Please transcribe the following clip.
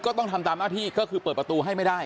ต้องทำตามหน้าที่ก็คือเปิดประตูให้ไม่ได้